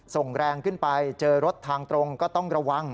ส่งแรงขึ้นไปเจอรถทางตรงก็ต้องระวัง